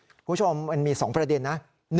คุณผู้ชมมันมี๒ประเด็นนะ